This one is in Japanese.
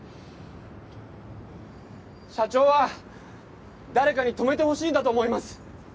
社長は誰かに止めてほしいんだと思います。